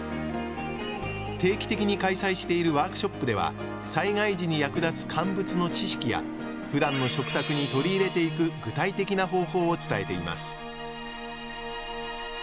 定期的に開催しているワークショップでは災害時に役立つ乾物の知識やふだんの食卓に取り入れていく具体的な方法を伝えています